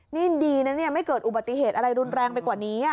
นี่ดีนะเนี่ยไม่เกิดอุบัติเหตุอะไรรุนแรงไปกว่านี้